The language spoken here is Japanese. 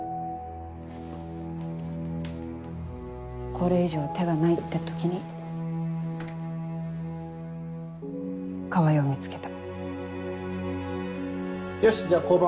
これ以上手がないって時に川合を見つけた。